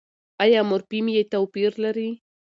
ایا مورفیم يې توپیر لري؟